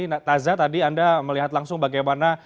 tidak tazah tadi anda melihat langsung bagaimana